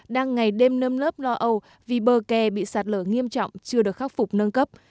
đang ngày đêm nâm lớp lo âu vì bờ kè bị sạt lở nghiêm trọng chưa được khắc phục nâng cấp